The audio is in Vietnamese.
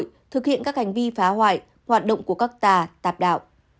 thực hiện các hành vi phá hoại hoạt động của các tà tạp đạo